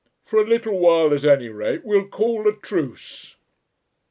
For a little while at any rate we'll call a truce."